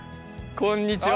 こんにちは。